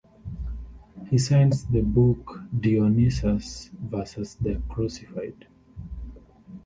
He signs the book Dionysus versus the Crucified.